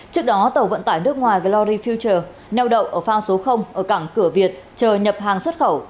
trước đó tàu vận tải nước ngoài glori futer neo đậu ở phao số ở cảng cửa việt chờ nhập hàng xuất khẩu